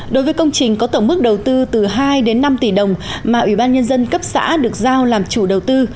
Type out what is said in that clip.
đối với công trình có tổng mức đầu tư từ hai đến năm tỷ đồng mà ủy ban nhân dân cấp xã được giao làm chủ đầu tư